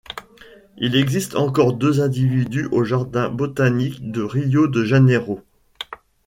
Il existe encore deux individus au Jardin botanique de Rio de Janeiro.